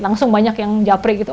langsung banyak yang japri gitu